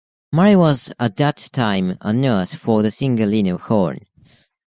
Mary was at that time a nurse for the singer Lena Horne.